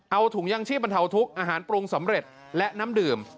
เอาถุงยังชีพบรรเทาทุกข์อาหารปรุงสำเร็จและน้ำดื่ม